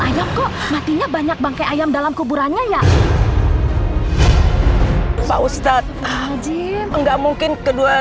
ajang kok matinya banyak bangkai ayam dalam kuburannya ya pak ustadz enggak mungkin kedua